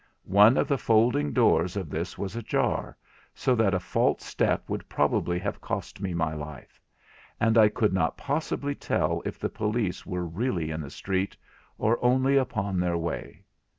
One of the folding doors of this was ajar, so that a false step would probably have cost me my life—and I could not possibly tell if the police were really in the street, or only upon their way.